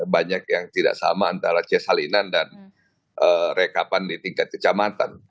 banyak yang tidak sama antara cesalinan dan rekapan di tingkat kecamatan